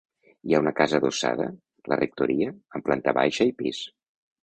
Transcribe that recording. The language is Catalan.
Hi ha una casa adossada, la rectoria, amb planta baixa i pis.